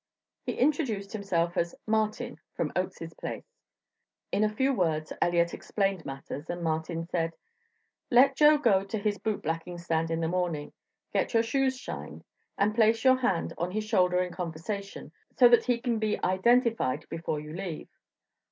He introduced himself as "Martin from Oakes's place." In a few words Elliott explained matters, and Martin said: "Let Joe go to his boot blacking stand in the morning. Get your shoes shined, and place your hand on his shoulder in conversation, so that he can be identified before you leave.